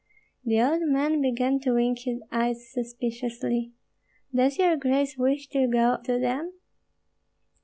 The old man began to wink his eyes suspiciously. "Does your grace wish to go to them?"